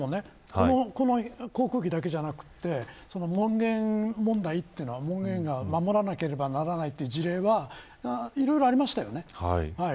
これまでもこの航空機だけじゃなくて門限問題というのは門限を守らなければならない事例はいろいろありましたよね。